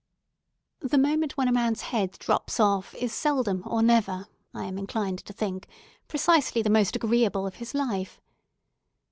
The moment when a man's head drops off is seldom or never, I am inclined to think, precisely the most agreeable of his life.